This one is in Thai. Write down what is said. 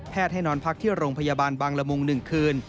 ให้นอนพักที่โรงพยาบาลบางละมุง๑คืน